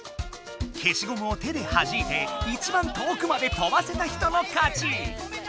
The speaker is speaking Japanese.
消しゴムを手ではじいて一番遠くまでとばせた人の勝ち。